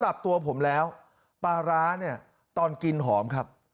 สำหรับตัวผมแล้วปลาร้าเนี่ยตอนกินหอมครับ